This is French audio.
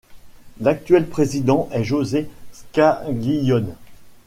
L'actuel président est José Scaglione.